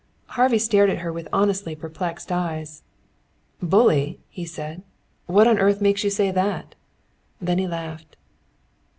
Harvey stared at her with honestly perplexed eyes. "Bully!" he said. "What on earth makes you say that?" Then he laughed.